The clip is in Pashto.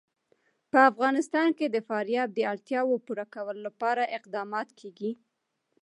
په افغانستان کې د فاریاب د اړتیاوو پوره کولو لپاره اقدامات کېږي.